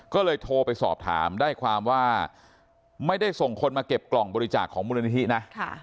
ก็เลยโทรไปสอบถามได้ความว่าไม่ได้ส่งคนมาเก็บกล่องบริจาคของมูลนิธินะ